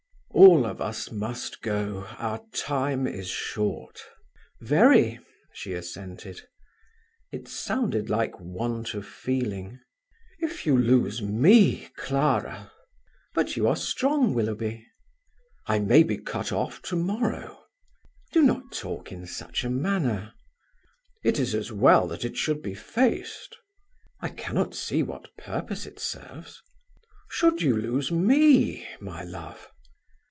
"All of us must go! our time is short." "Very," she assented. It sounded like want of feeling. "If you lose me, Clara!" "But you are strong, Willoughby." "I may be cut off to morrow." "Do not talk in such a manner." "It is as well that it should be faced." "I cannot see what purpose it serves." "Should you lose me, my love!"